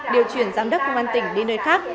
điều chuyển giám đốc công an tỉnh đi nơi khác